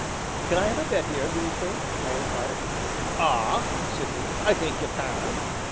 "Can I have a bed here, do you think?" I inquired. "Ah," said he, "I think you can."